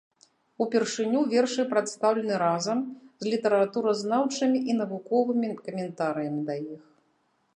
Упершыню вершы прадстаўлены разам з літаратуразнаўчымі і навуковымі каментарыямі да іх.